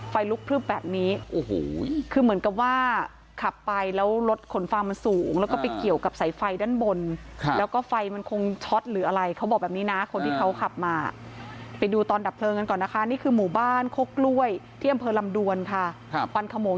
ไฟลุกปรึ้บแบบนี้โอ้โหคือเหมือนกับว่าขับไปแล้วรถขน